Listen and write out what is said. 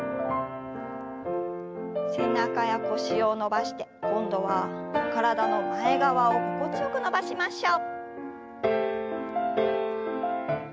背中や腰を伸ばして今度は体の前側を心地よく伸ばしましょう。